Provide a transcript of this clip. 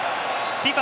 ＦＩＦＡ